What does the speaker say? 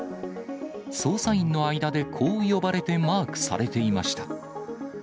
捜査員の間でこう呼ばれてマークされていました。